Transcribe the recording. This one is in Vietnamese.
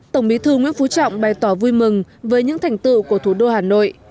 tổng bí thư nguyễn phú trọng bày tỏ vui mừng với những thành tựu của thủ đô hà nội